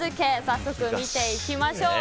早速見ていきましょう。